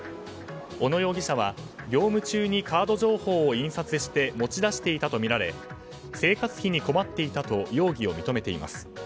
小野容疑者は業務中にカード情報を印刷して持ち出していたとみられ生活費に困っていたと容疑を認めています。